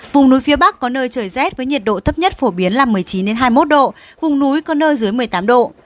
vùng núi phía bắc có nơi trời rét với nhiệt độ thấp nhất phổ biến là một mươi chín hai mươi một độ vùng núi có nơi dưới một mươi tám độ